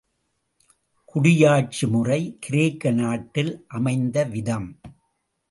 குடியாட்சி முறை கிரேக்க நாட்டில் அமைந்த விதம்.